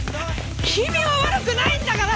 君は悪くないんだから！